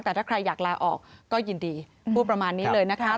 แต่ถ้าใครอยากลาออกก็ยินดีพูดประมาณนี้เลยนะคะ